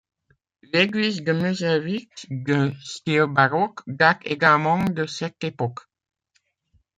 L'église de Meuselwitz, de style baroque, date également de cette époque.